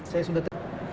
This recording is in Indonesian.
saya sudah terima